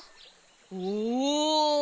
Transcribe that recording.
おお！